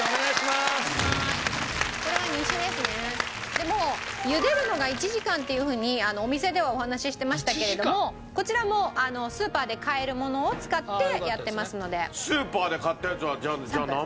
でもう茹でるのが１時間っていうふうにお店ではお話ししてましたけれどもこちらもスーパーで買えるものを使ってやってますので。